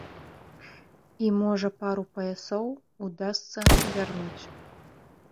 І можа пару паясоў удасца вярнуць.